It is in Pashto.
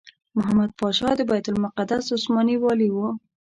محمد پاشا د بیت المقدس عثماني والي وو.